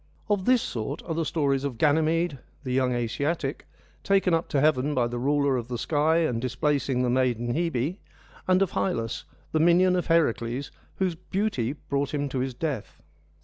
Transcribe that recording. Of this sort are the stories of Ganymede, the young Asiatic, taken up to heaven by the ruler of the sky and displacing the maiden Hebe, and of Hylas, the minion of Heracles, whose beauty brought him to his death.